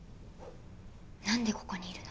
何でここにいるの？